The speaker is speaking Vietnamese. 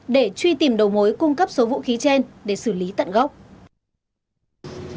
để truy tìm đầu mối cung cấp số vũ khí trên để xử lý tận gốc